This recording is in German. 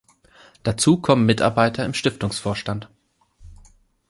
Dazu kommen Mitarbeiter im Stiftungsvorstand.